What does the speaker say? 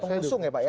pengusung ya pak ya